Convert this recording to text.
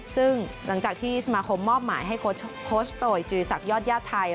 ซึ่งหลังจากที่สมาคมมอบหมายให้โคชโตยศิริษักยอดญาติไทย